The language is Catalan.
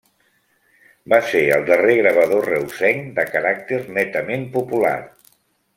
Va ser el darrer gravador reusenc de caràcter netament popular.